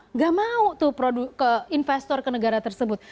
nggak mau tuh ke investor ke negara tersebut